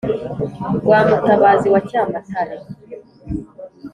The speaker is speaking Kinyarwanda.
rwa mutabazi wa cyamatare ,